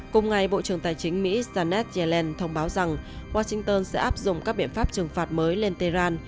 cùng ngày bộ trưởng tài chính mỹ sanet zelen thông báo rằng washington sẽ áp dụng các biện pháp trừng phạt mới lên tehran